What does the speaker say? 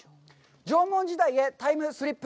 「縄文時代へタイムスリップ！